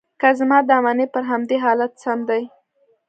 که زما دا منې، پر همدې حالت سم دي.